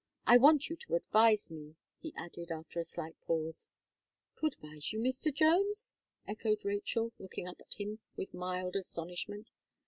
I want you to advise me," he added, after a slight pause. "To advise you, Mr. Jones!" echoed Rachel, looking up at him, with mild astonishment.